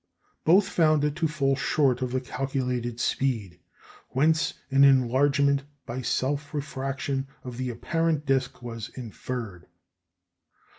Both found it to fall short of the calculated speed, whence an enlargement, by self refraction, of the apparent disc was inferred.